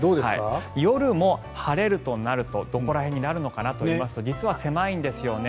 夜も晴れるとなるとどこらへんになるのかと思いますけど実は狭いんですよね。